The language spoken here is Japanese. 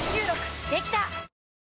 できた！